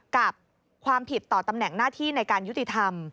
กับความผิดต่อตำแหน่งหน้าที่ในการยุติธรรม